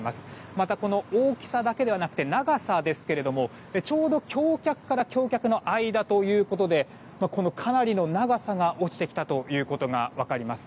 またこの大きさだけではなくて長さですけれども、ちょうど橋脚から橋脚の間ということでかなりの長さが落ちてきたということが分かります。